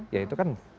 ya itu kan